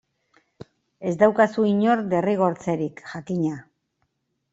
Ez daukazu inor derrigortzerik, jakina.